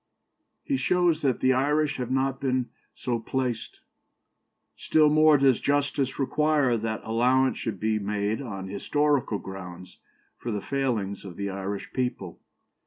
" He shows that the Irish have not been so placed. "Still more does justice require that allowance should be made on historical grounds for the failings of the Irish people.